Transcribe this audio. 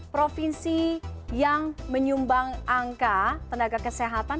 provinsi yang menyumbang angka tenaga kesehatan